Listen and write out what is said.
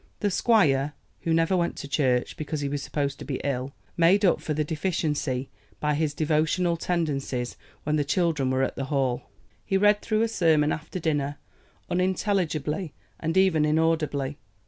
The squire, who never went to church, because he was supposed to be ill, made up for the deficiency by his devotional tendencies when the children were at the Hall. He read through a sermon after dinner, unintelligibly and even inaudibly.